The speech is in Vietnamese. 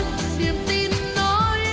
một việt nam giống tươi